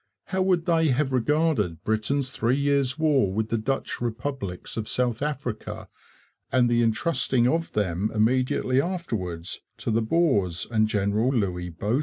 How would they have regarded Britain's three years' war with the Dutch republics of South Africa and the entrusting of them immediately afterwards to the Boers and General Louis Botha?